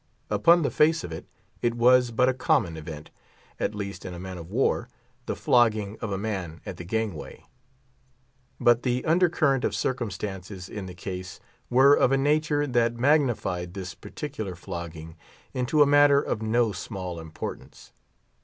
Upon the face of it, it was but a common event—at least in a man of war—the flogging of a man at the gangway. But the under current of circumstances in the case were of a nature that magnified this particular flogging into a matter of no small importance.